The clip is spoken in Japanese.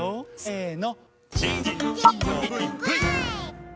せの！